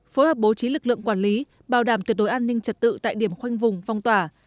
phối hợp bố trí lực lượng quản lý bảo đảm tuyệt đối an ninh trật tự tại điểm khoanh vùng phong tỏa